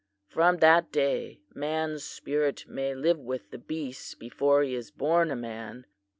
From that day, man's spirit may live with the beasts before he is born a man.